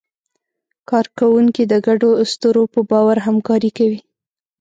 کارکوونکي د ګډو اسطورو په باور همکاري کوي.